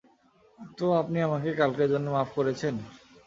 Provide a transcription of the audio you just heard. তো আপনি আমাকে কালকের জন্য মাফ করেছেন?